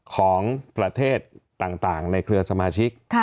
ของประเทศต่างในเครือสมาชิก